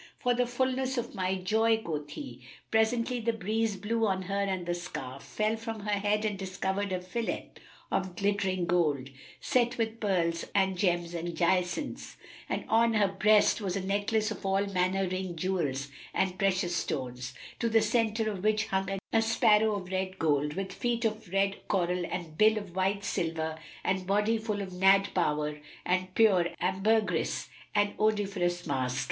"For the fulness of my joy," quoth he. Presently, the breeze blew on her and the scarf[FN#315] fell from her head and discovered a fillet[FN#316] of glittering gold, set with pearls and gems and jacinths; and on her breast was a necklace of all manner ring jewels and precious stones, to the centre of which hung a sparrow of red gold, with feet of red coral and bill of white silver and body full of Nadd powder and pure ambergris and odoriferous musk.